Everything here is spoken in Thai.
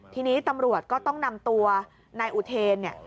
ทีนี้ตำรวจก็ต้องนำตัวนายอุเทนเนี่ย